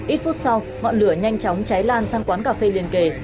ít phút sau ngọn lửa nhanh chóng cháy lan sang quán cà phê liền kề